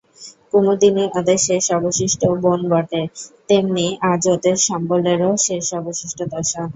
কুমুদিনী ওদের শেষ অবশিষ্ট বোন বটে, তেমনি আজ ওদের সম্বলেরও শেষ অবশিষ্ট দশা।